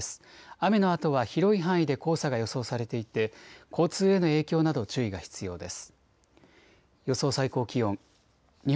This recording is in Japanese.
雨のあとは広い範囲で黄砂が予想されていて交通への影響など注意が必要です。